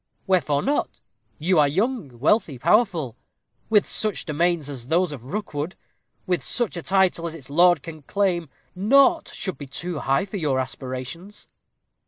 "Wherefore not? you are young, wealthy, powerful. With such domains as those of Rookwood with such a title as its lord can claim, naught should be too high for your aspirations."